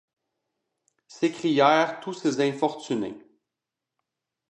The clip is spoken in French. s’écrièrent tous ces infortunés.